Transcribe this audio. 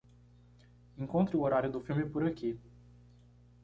Encontre o horário do filme por aqui.